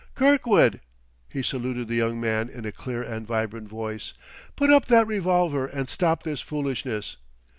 "Kirkwood!" he saluted the young man in a clear and vibrant voice, "put up that revolver and stop this foolishness."